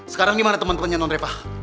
sekarang gimana temen temennya nonreva